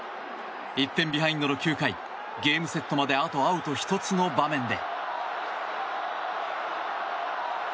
１点ビハインドの９回ゲームセットまであとアウト１つの場面で。